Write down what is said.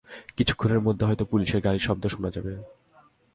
কিছুক্ষণের মধ্যেই হয়তো পুলিশের গাড়ির শব্দ শোনা যাবে।